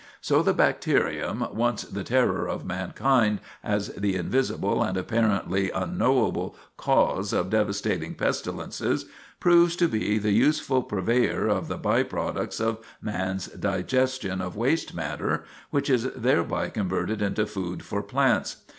So the bacterium, once the terror of mankind as the invisible and apparently unknowable cause of devastating pestilences, proves to be the useful purveyor of the by products of man's digestion of waste matter which is thereby converted into food for plants.